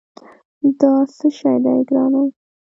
دا څه شي دي، ګرانه؟